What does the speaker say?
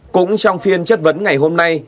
cũng trong phiên chất vấn ngày hôm nay